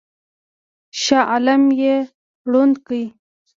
شاه عالم یې ړوند کړ.